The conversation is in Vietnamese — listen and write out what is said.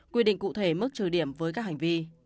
quy định cụ thể mức trừ điểm với các hành vi